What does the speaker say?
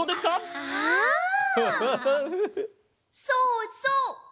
そうそう！